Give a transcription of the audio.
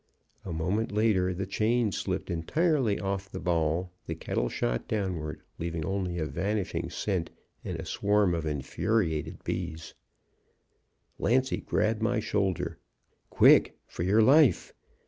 A moment later the chain slipped entirely off the bail; the kettle shot downward, leaving only a vanishing scent and a swarm of infuriated bees. "Lancy grabbed my shoulder. "'Quick! For your life!'